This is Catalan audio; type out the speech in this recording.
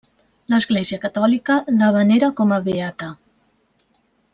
L'Església Catòlica la venera com a beata.